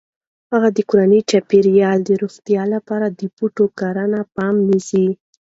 هغې د کورني چاپیریال د روغتیا لپاره د بوټو کرنې پام ساتي.